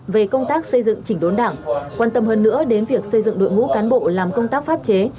về công tác xây dựng chỉnh đốn đảng quan tâm hơn nữa đến việc xây dựng đội ngũ cán bộ làm công tác pháp chế